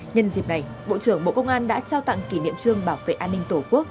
nhân dịp này bộ trưởng bộ công an đã trao tặng kỷ niệm trương bảo vệ an ninh tổ quốc